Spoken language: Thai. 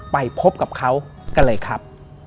ไปพบกับเขากันเลยครับ